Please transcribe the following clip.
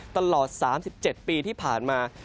ตลอด๓๗ปีที่ผ่านมา